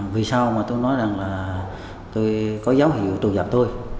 vì sao mà tôi nói rằng là tôi có dấu hiệu trù dập tôi